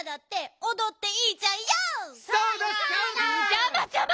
じゃまじゃま！